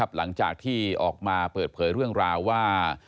หลังจากที่ออกมาเปิดเผยเรื่องราวว่า